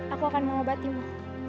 aku akan mengobatimu